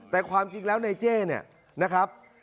แต่ความจริงแล้วในเจ้เนี่ยนะครับ